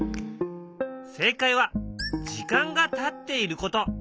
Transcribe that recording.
正解は時間がたっていること。